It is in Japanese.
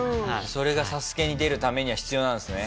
それが『ＳＡＳＵＫＥ』に出るためには必要なんですね。